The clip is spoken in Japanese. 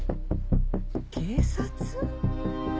警察？